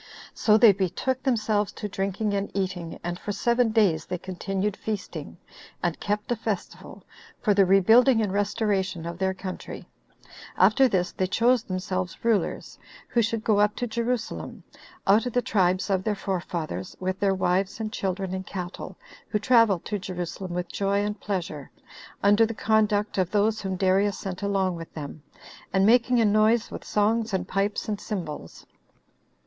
So they betook themselves to drinking and eating, and for seven days they continued feasting, and kept a festival, for the rebuilding and restoration of their country: after this they chose themselves rulers, who should go up to Jerusalem, out of the tribes of their forefathers, with their wives, and children, and cattle, who traveled to Jerusalem with joy and pleasure, under the conduct of those whom Darius sent along with them, and making a noise with songs, and pipes, and cymbals.